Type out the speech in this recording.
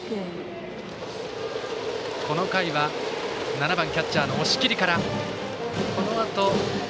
この回は、７番キャッチャーの押切から。